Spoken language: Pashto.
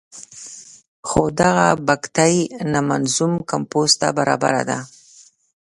خو دغه بګتۍ نه منظوم کمپوز ته برابره ده.